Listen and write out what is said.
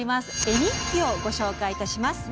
絵日記をご紹介します。